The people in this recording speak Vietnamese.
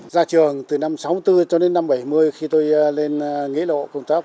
ra trường từ năm sáu mươi bốn cho đến năm bảy mươi khi tôi lên nghỉ lộ công tác